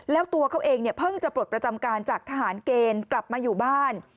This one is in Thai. แล้วตัวเขาเองเนี่ยเพิ่งจะปลดประจำการจากทหารเกณฑ์กลับมาอยู่บ้าน